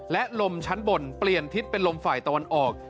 และลมชั้นบนเปลี่ยนทิศเป็นลมฝ่ายตะวันออก